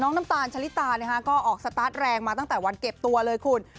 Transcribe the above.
น้ำตาลชะลิตาก็ออกสตาร์ทแรงมาตั้งแต่วันเก็บตัวเลยคุณ